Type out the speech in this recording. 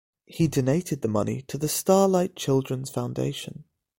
He donated the money to the Starlight Children's Foundation.